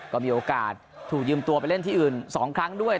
ก็มีโอกาสถูกยืมตัวไปเล่นที่อื่น๒ครั้งด้วย